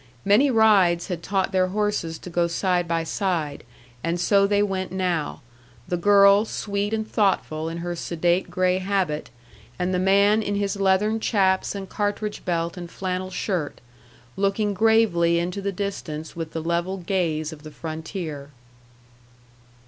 Many rides had taught their horses to go side by side, and so they went now: the girl sweet and thoughtful in her sedate gray habit; and the man in his leathern chaps and cartridge belt and flannel shirt, looking gravely into the distance with the level gaze of the frontier.